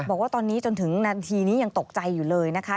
บอกว่าตอนนี้จนถึงนาทีนี้ยังตกใจอยู่เลยนะคะ